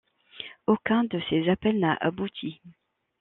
Aucun de ses appels n'a abouti.